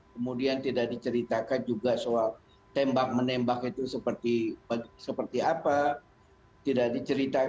kemudian tidak diceritakan juga soal tembak menembak itu seperti apa tidak diceritakan